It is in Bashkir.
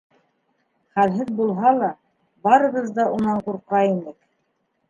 Хәлһеҙ булһа ла, барыбыҙ ҙа унан ҡурҡа инек.